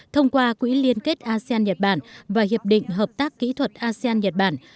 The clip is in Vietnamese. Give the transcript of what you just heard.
thông qua quỹ liên kết asean nhật bản và hiệp định hợp tác kỹ thuật asean nhật bản